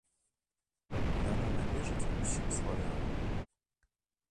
Яна належыць усім славянам!